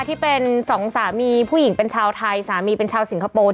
ที่เป็นสองสามีผู้หญิงเป็นชาวไทยสามีเป็นชาวสิงคโปร์